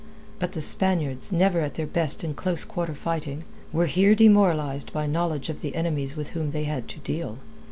But the Spaniards, never at their best in close quarter fighting, were here demoralized by knowledge of the enemies with whom they had to deal.